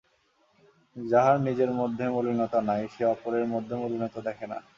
যাহার নিজের মধ্যে মলিনতা নাই, সে অপরের মধ্যেও মলিনতা দেখে না।